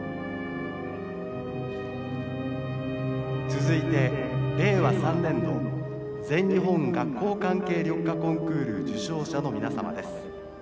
「続いて令和３年度全日本学校関係緑化コンクール受賞者の皆様です。